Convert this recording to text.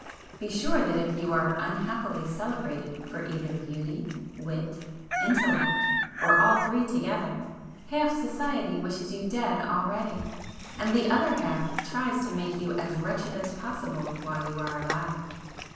Be sure that if you are unhappily celebrated for either beauty, wit, intellect, or all three together, half society wishes you dead already, and the other half tries to make you as wretched as possible while you are alive.